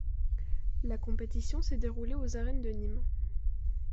La compétition s'est déroulée aux arènes de Nîmes.